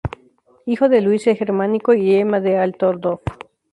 Hijo de Luis el Germánico y de Emma de Altdorf.